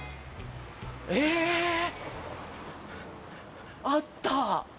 え、あった。